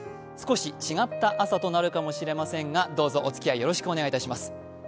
少し違った朝となるかもしれませんが、どうぞお付き合いよろしくお願いいたします。